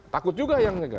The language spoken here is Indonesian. takut juga yang negang